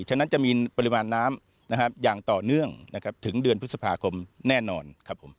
ฉะนั้นจะมีปริมาณน้ำอย่างต่อเนื่องนะครับถึงเดือนพฤษภาคมแน่นอนครับผม